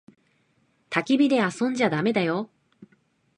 たき火で遊んじゃだめだよ。